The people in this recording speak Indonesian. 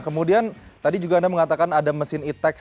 nah kemudian tadi juga anda mengatakan ada mesin e tax